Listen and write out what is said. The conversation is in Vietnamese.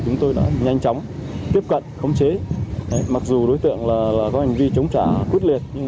chúng tôi đã nhanh chóng tiếp cận khống chế mặc dù đối tượng có hành vi chống trả quyết liệt nhưng